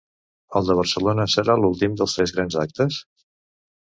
El de Barcelona serà l’últim dels tres grans actes?